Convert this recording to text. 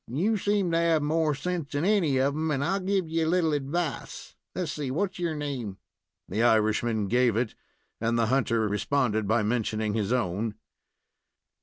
You seem to have more sense than any of 'em, and I'll give you a little advice. Let's see, what's your name?" The Irishman gave it, and the hunter responded by mentioning his own.